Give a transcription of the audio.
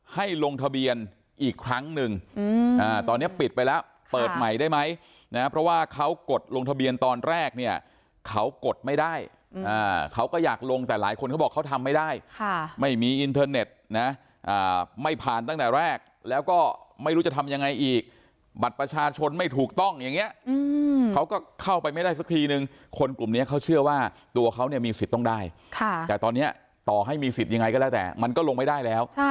ให้ลงทะเบียนอีกครั้งหนึ่งตอนนี้ปิดไปแล้วเปิดใหม่ได้ไหมเพราะว่าเขากดลงทะเบียนตอนแรกเขากดไม่ได้เขาก็อยากลงแต่หลายคนเขาบอกเขาทำไม่ได้ไม่มีอินเทอร์เน็ตไม่ผ่านตั้งแต่แรกแล้วก็ไม่รู้จะทำยังไงอีกบัตรประชาชนไม่ถูกต้องอย่างนี้เขาก็เข้าไปไม่ได้สักทีหนึ่งคนกลุ่มนี้เขาเชื่อว่าตัวเขามีสิทธิ์ต้องได